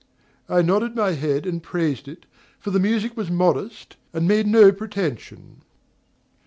I nodded my head and praised it, for the music was modest and made no pretension.